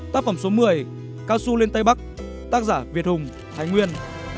tác phẩm số một mươi cao xu lên tây bắc tác giả việt hùng thái nguyên